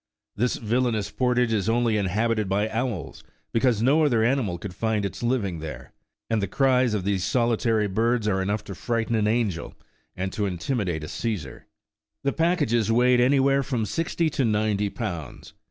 This villainous port age is only inhabited by owls, because no other animal could find its living there, and the cries of these solitary birds are enough to frighten an angel, and to intimidate a Caesar," The packages carried weighed anywhere from sixty to ninety pounds.